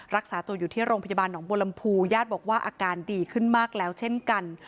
รักษาตัวอยู่ที่โรงพยาบาลหนองบัวลำพูญาติบอกว่าอาการดีขึ้นมากแล้วเช่นกัน